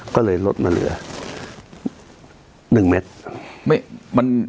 ก็เลยลดมาเหลือ๑เมตร